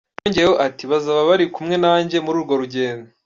" Yongeyeho ati "Bazaba bari kumwe nanjye muri urwo rugendo.